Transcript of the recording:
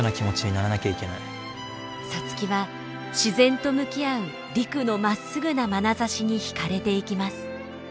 皐月は自然と向き合う陸のまっすぐなまなざしに惹かれていきます。